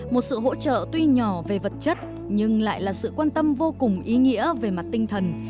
một sự hỗ trợ tuy nhỏ về vật chất nhưng lại là sự quan tâm vô cùng ý nghĩa về mặt tinh thần